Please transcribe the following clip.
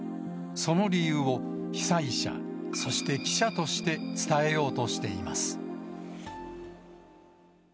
その理由を、被災者、そして記者として伝えようとしています。